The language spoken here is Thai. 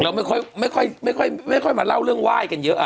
เราไม่ค่อยมาเล่าเรื่องไหว้กันเยอะ